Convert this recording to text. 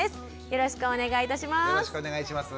よろしくお願いします。